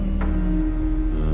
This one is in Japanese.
うん。